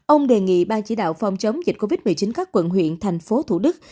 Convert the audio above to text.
ông đề nghị ban chỉ đạo phòng chống dịch covid một mươi chín các quận huyện thành phố thủ đức